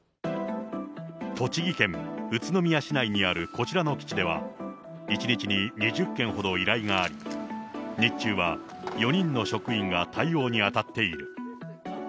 栃木県宇都宮市内にあるこちらの基地では、１日に２０件ほど依頼があり、日中は４人の職員が対応に当たっている。